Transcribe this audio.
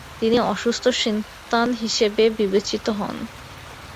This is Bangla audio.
তিনি অসুস্থ সন্তান হিসাবে বিবেচিত হন।